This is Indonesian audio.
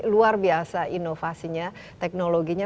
luar biasa inovasinya teknologinya